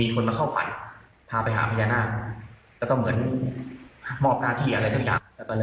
คนทั่วทุกสถานที่ที่มาไม่ว่าจะเป็นสถานที่ฟินแลนด์